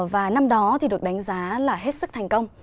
và năm đó thì được đánh giá là hết sức thành công